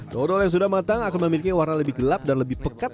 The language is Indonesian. dodol yang sudah matang akan memiliki warna lebih gelap dan lebih pekat